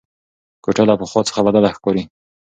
کوټه له پخوا څخه بدله ښکاري.